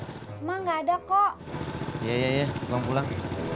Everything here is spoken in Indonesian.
hai menggoda kok ya ya uang pulang